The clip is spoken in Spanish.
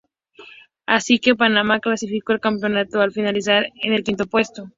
Así que Panamá clasificó al campeonato al finalizar en el quinto puesto.